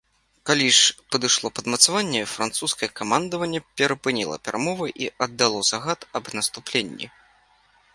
Калі ж падышло падмацаванне, французскае камандаванне перапыніла перамовы і аддало загад аб наступленні.